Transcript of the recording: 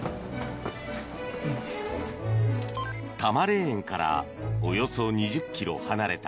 多磨霊園からおよそ２０ｋｍ離れた